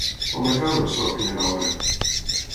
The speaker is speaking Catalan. Quan va treure la seva primera obra?